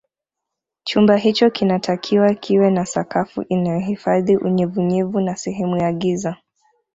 Chumba hicho kinatakiwa kiwe na sakafu inayohifadhi unyevunyevu na sehemu ya giza